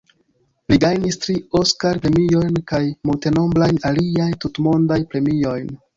Li gajnis tri Oskar-premiojn kaj multenombrajn aliaj tutmondaj premiojn.